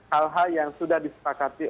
hal hal yang sudah disepakati